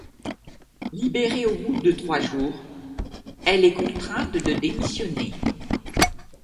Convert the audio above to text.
Libérée au bout de trois jours, elle est contrainte de démissionner.